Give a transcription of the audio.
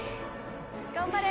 頑張れ！